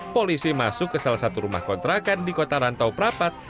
polisi masuk ke salah satu rumah kontrakan di kota rantau prapat